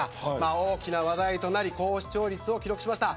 大きな話題となり高視聴率を記録しました。